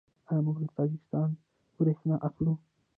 آیا موږ له تاجکستان بریښنا اخلو؟